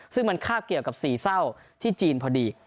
ซึ่งมันคาบเกี่ยวกับสี่เศร้าที่จีนพอดี